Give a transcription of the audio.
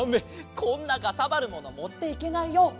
こんなかさばるものもっていけないよ。